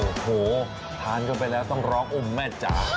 โอ้โฮทานก็ไปแล้วต้องร้องอมแม่จัก